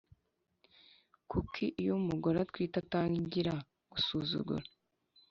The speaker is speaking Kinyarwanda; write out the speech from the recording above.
kuki iyo umugore atwite atangira gusuzugura